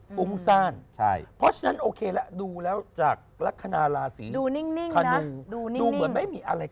ฟุ้งซ่านเพราะฉะนั้นโอเคแล้วดูแล้วจากลักษณะราศีดูนิ่งดูเหมือนไม่มีอะไร